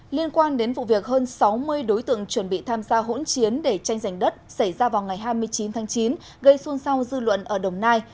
liên quan đến vụ việc hơn sáu mươi đối tượng chuẩn bị tham gia hỗn chiến để tranh giành đất xảy ra vào ngày hai mươi chín tháng chín gây xuân sao dư luận ở đồng nai